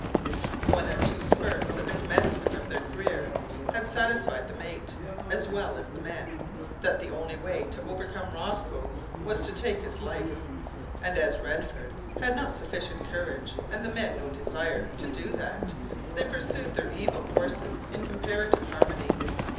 One or two spurts at the commencement of their career had satisfied the mate, as well as the men, that the only way to overcome Rosco was to take his life; and as Redford had not sufficient courage, and the men no desire, to do that, they pursued their evil courses in comparative harmony.